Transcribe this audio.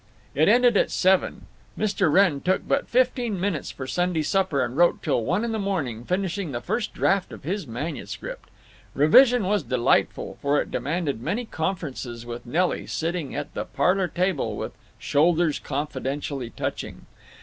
It ended at seven. Mr. Wrenn took but fifteen minutes for Sunday supper, and wrote till one of the morning, finishing the first draft of his manuscript. Revision was delightful, for it demanded many conferences with Nelly, sitting at the parlor table, with shoulders confidentially touching.